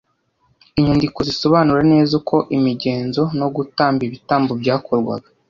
Inyandiko zisobanura neza uko imigenzo no gutamba ibitambo byakorwaga